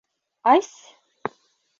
Ась?